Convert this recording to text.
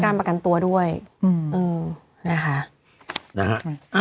การประกันตัวด้วยอืมนะคะนะฮะ